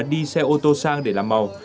đi xe ô tô sang để làm màu